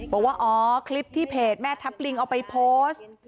บอกว่าอ๋อคลิปที่เพจแม่ทัพลิงเอาไปโพสต์